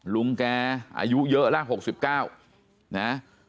ลุงแกอายุเยอะแล้ว๖๙นะ